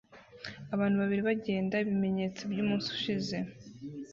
Abantu babiri bagenda ibimenyetso byumunsi ushize